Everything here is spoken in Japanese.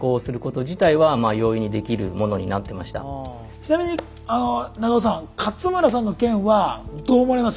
ちなみに長尾さん勝村さんの件はどう思われます？